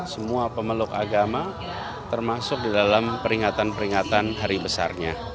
semua pemeluk agama termasuk di dalam peringatan peringatan hari besarnya